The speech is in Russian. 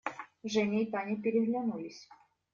Женя и Таня переглянулись.